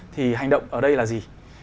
thì hành động ở đây là gì